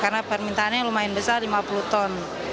karena permintaannya lumayan besar lima puluh ton